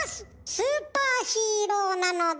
スーパーヒーローなのだ！